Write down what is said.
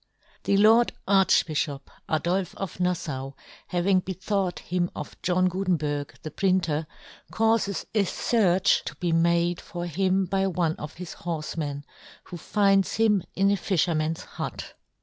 The Lord Archbijhop Adolfe ofNaJfau having he thought him of John Gutenberg^ the printer^ caufes a fearch to he made for him hy one of his horfemen, who finds him in a fijherman's hut.